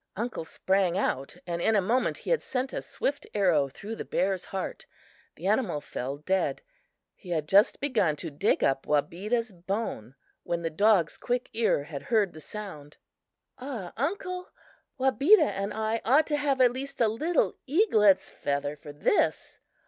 Uncle sprang out and in a moment he had sent a swift arrow through the bear's heart. The animal fell dead. He had just begun to dig up Wabeda's bone, when the dog's quick ear had heard the sound. "Ah, uncle, Wabeda and I ought to have at least a little eaglet's feather for this.